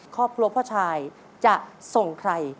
ครอบครัวพ่อชายจะส่งใคร